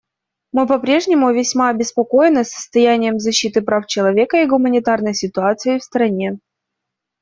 Мы по-прежнему весьма обеспокоены состоянием защиты прав человека и гуманитарной ситуацией в стране.